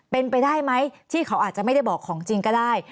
เป็นไปได้ไหมที่เขาอาจจะไม่ได้บอกของจริงก็ได้